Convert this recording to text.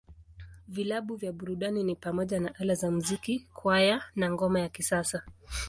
Vilabu vya burudani ni pamoja na Ala za Muziki, Kwaya, na Ngoma ya Kisasa.